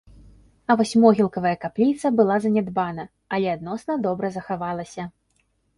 А вось могілкавая капліца была занядбана, але адносна добра захавалася.